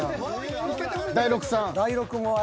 ［大六さん］